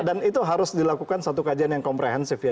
dan itu harus dilakukan satu kajian yang komprehensif ya